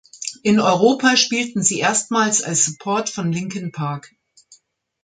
In Europa spielten sie erstmals als Support von Linkin Park.